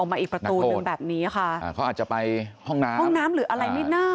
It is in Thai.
มาอีกประตูนึงแบบนี้ค่ะอ่าเขาอาจจะไปห้องน้ำห้องน้ำหรืออะไรนิดหน้า